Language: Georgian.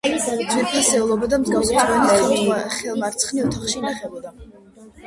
ძვირფასეულობა და მსგავსი ძღვენი, ხელმარცხნივ ოთახში ინახებოდა.